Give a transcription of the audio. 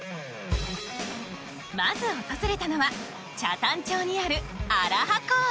まず訪れたのは北谷町にある安良波公園。